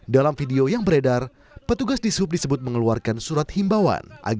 dalam video yang beredar petugas di sub disebut mengeluarkan surat himbauan